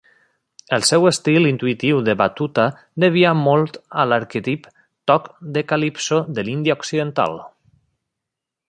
El seu estil intuïtiu de batuda devia molt a l'arquetípic toc de calypso de l'Índia Occidental.